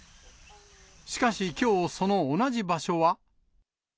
しかし、きょう、その同じ場所は。